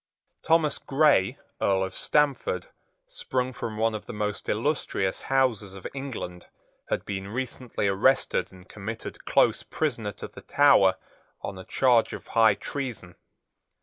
Thomas Grey, Earl of Stamford, sprung from one of the most illustrious houses of England, had been recently arrested and committed close prisoner to the Tower on a charge of high treason.